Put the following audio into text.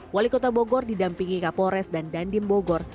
wali kota bogor didampingi kapolres dan dandim bogor